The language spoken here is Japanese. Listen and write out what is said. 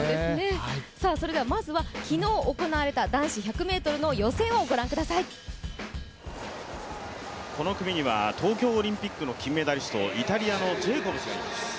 それではまずは昨日行われた男子１００ｍのこの組には東京オリンピックの金メダリスト、イタリアのジェイコブスがいます。